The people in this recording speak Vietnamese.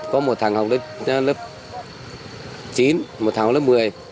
có một thằng học lớp chín một thằng học lớp một mươi